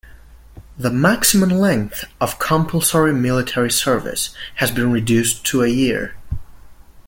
The maximum length of compulsory military service has been reduced to a year.